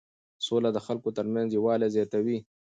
سوله د خلکو ترمنځ یووالی زیاتوي.